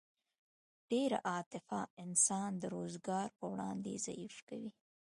ډېره عاطفه انسان د روزګار په وړاندې ضعیف کوي